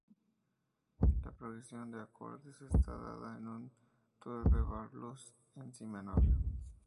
La progresión de acordes está dada en un "twelve bar blues", en Si menor.